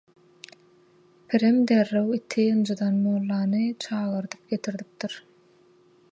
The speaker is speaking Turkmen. Pirеm dеrrеw iti ynjydan mоllany çagyrdyp gеtirdipdir.